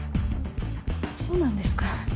そうなんですか。